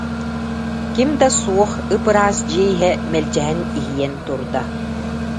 Ким да суох, ып-ыраас дьиэ иһэ мэлдьэһэн иһийэн турда